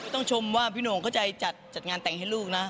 ชมว่าพี่โหน่งเข้าใจจัดงานแต่งให้ลูกนะ